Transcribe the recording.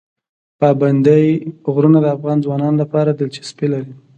پابندی غرونه د افغان ځوانانو لپاره دلچسپي لري.